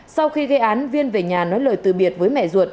sau khi gây án viên về nhà nói lời từ biệt với mẹ ruột